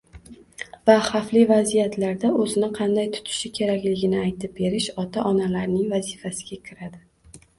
va xavfli vaziyatlarda o‘zini qanday tutishi kerakligini aytib berish ota-onalarning vazifasiga kiradi.